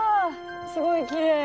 すごいきれい